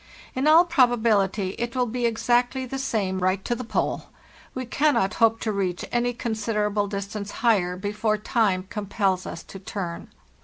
In all probability it will be exactly the same right to the Pole. We cannot hope to reach any con siderable distance higher before time compels us to turn.